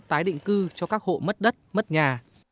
tái định cư cho các hộ mất đất mất nhà